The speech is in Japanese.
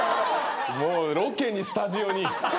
もうロケにスタジオに。